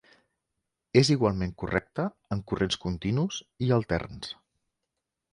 És igualment correcte en corrents continus i alterns.